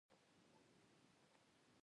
تواب وویل کرايه ورکوم.